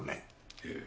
ええ。